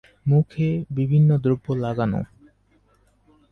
মুখে বিভিন্ন দ্রব্য লাগানো।